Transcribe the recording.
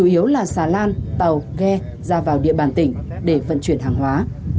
chủ yếu là xà lan tàu ghe ra vào địa bàn tỉnh để vận chuyển hàng hóa